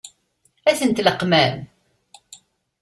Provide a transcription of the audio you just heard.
Ad ten-tleqqmem?